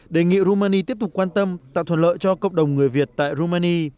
đề nghị romani tiếp tục quan tâm tạo thuận lợi cho cộng đồng người việt tại rumani